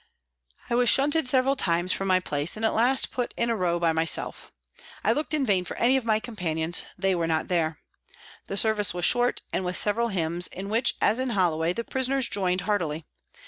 I was shunted several times from my place, and at last was put in a row by myself. I looked in vain for any of my companions, they were not there. The service was short and with several hymns, in which, as in Holloway, the prisoners joined heartily.